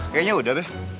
kayanya udah deh